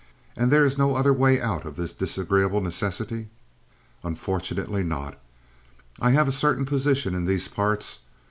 "And there is no other way out of this disagreeable necessity?" "Unfortunately not. I have a certain position in these parts.